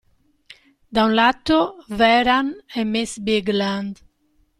Da un lato, Vehrehan e miss Bigland.